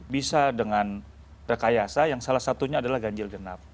bisa dengan rekayasa yang salah satunya adalah ganjil genap